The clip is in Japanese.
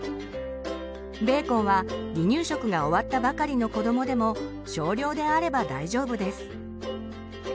ベーコンは離乳食が終わったばかりの子どもでも少量であれば大丈夫です。